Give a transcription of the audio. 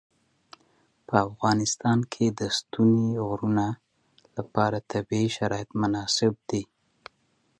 په افغانستان کې د ستوني غرونه لپاره طبیعي شرایط مناسب دي.